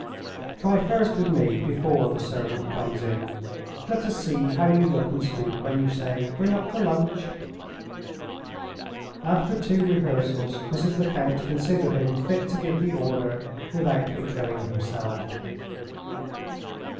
Try first with me before the servant comes in. Let us see how you look and speak when you say, 'Bring up the lunch.'" After two rehearsals, Mrs. Lecount considered him fit to give the order, without betraying himself.